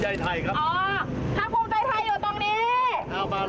สายเฉียงกี่คนมาต่อโฟวิต